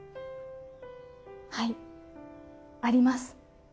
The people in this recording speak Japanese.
はいあります。